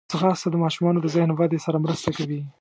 ځغاسته د ماشومانو د ذهن ودې سره مرسته کوي